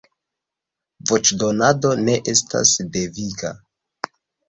Voĉdonado ne estas deviga.